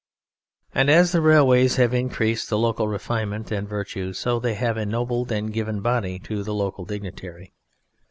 And as the railways have increased the local refinement and virtue, so they have ennobled and given body to the local dignitary.